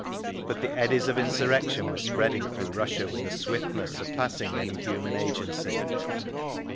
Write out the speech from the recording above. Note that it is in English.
But the eddies of insurrection were spreading through Russia with a swiftness surpassing any human agency.